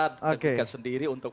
logika sendiri untuk